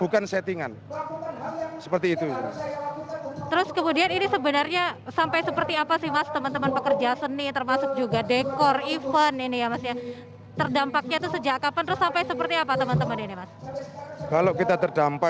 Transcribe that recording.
kalau kita terdampak